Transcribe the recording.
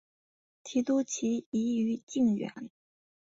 提督旗移于靖远。